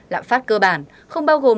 lạm phát cơ bản không bao gồm